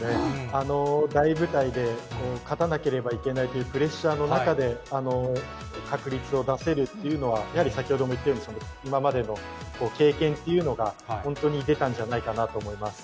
あの大舞台で勝たなければいけないというプレッシャーの中で確率を出せるというのは、やはり先ほども言ったように、今までの経験っていうのが本当に出たんじゃないかなと思います。